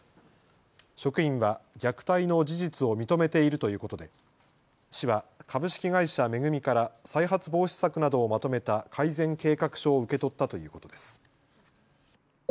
職員は虐待の事実を認めているということで市は株式会社恵から再発防止策などをまとめた改善計画書を受け取ったということです。